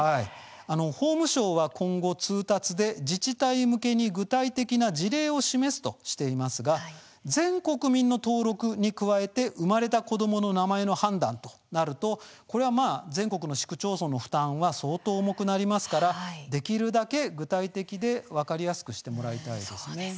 法務省は今後、通達で自治体向けに具体的な事例を示すとしていますが全国民の登録に加えて生まれた子どもの名前の判断となるとこれは全国の市区町村の負担は相当重くなりますからできるだけ具体的で分かりやすくしてもらいたいですね。